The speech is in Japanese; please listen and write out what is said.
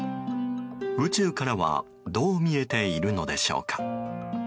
宇宙からはどう見えているのでしょうか？